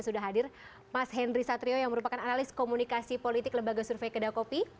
sudah hadir mas henry satrio yang merupakan analis komunikasi politik lembaga survei kedakopi